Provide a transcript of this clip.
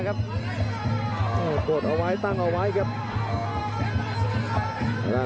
โกธเอายังไหวไกลครับ